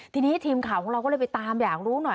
ทีนี้ทีมข่าวของเราก็เลยไปตามอยากรู้หน่อย